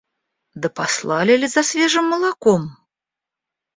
Да послали ли за свежим молоком?